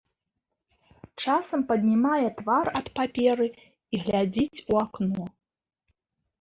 Часам паднімае твар ад паперы і глядзіць у акно.